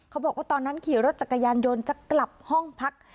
เขาบอกว่าตอนนั้นขี่รถจักรยานยนต์จะกลับห้องพัก